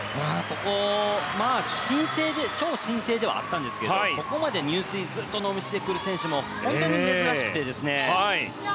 超新星ではあったんですがここまで入水ずっとノーミスで来る選手も本当に珍しくてですね。